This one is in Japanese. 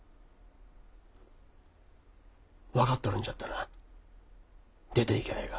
分かっとるんじゃったら出ていきゃあええが。